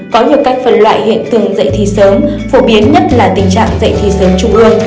có nhiều cách phân loại hiện tượng dạy thi sớm phổ biến nhất là tình trạng dạy thi sớm trung ương